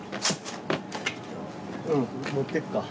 うん持ってくか。